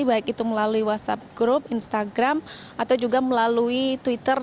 yaitu melalui whatsapp group instagram atau juga melalui twitter